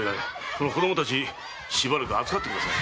この子供達しばらく預かってください。